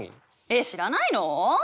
えっ知らないの？